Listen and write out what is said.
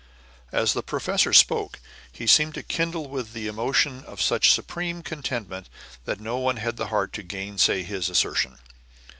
And as the professor spoke, he seemed to kindle with the emotion of such supreme contentment that no one had the heart to gainsay his assertion.